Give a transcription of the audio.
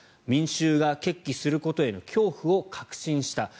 民衆が決起することへの恐怖を確信した